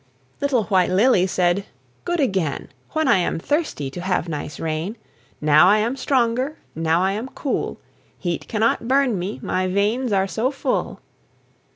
Little White Lily Said: "Good again, When I am thirsty To have the nice rain. Now I am stronger, Now I am cool; Heat cannot burn me, My veins are so full."